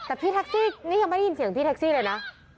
แต่พี่แท็กซี่นี่ยังไม่ได้ยินเสียงพี่แท็กซี่เลยนะ